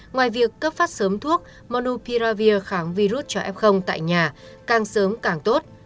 ngoài việc cấp phát sớm thuốc monupiravir kháng virus cho f tại nhà càng sớm càng tốt